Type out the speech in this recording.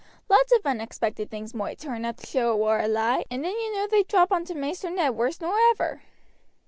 Lots of unexpected things moight turn up to show it war a lie and then you know they'd drop onto Maister Ned wourse nor ever."